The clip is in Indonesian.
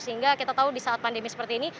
sehingga kita tahu disaat pandemi seperti ini